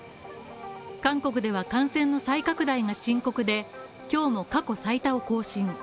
韓国では感染の再拡大が深刻で、今日も過去最多を更新。